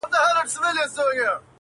فکرونه ورو ورو پراخېږي ډېر,